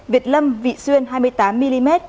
việt lâm vị xuyên hai mươi tám mm